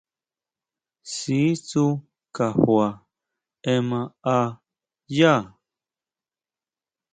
Sí tsú kajua ema a yá.